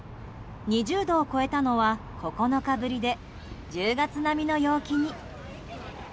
２０度を超えたのは９日ぶりで１０月並みの陽気に。